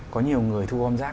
có nhiều người thu ôm rác